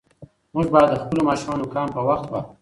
موږ باید د خپلو ماشومانو نوکان په وخت واخلو.